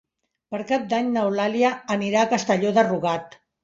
Per Cap d'Any n'Eulàlia anirà a Castelló de Rugat.